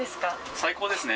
最高ですね。